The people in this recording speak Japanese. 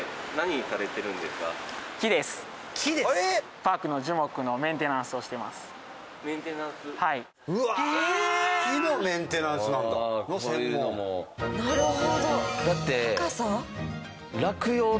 なるほど。